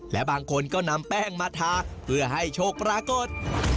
และบางคนก็นำแป้งมาทาเพื่อให้โชคปรากฏ